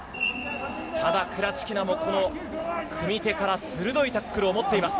ただクラチキナもこの組手から鋭いタックルを持っています。